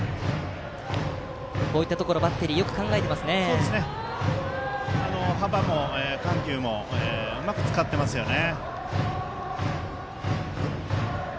こういったところバッテリー幅も緩急もうまく使っていますよね。